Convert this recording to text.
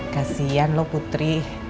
kasian lo putri